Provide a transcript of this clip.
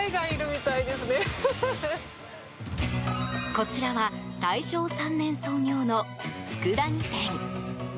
こちらは大正３年創業のつくだ煮店。